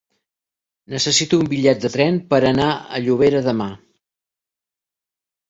Necessito un bitllet de tren per anar a Llobera demà.